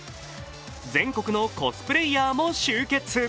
全国のコスプレイヤーも集結。